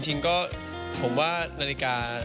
จริงก็ผมว่านาฬิกา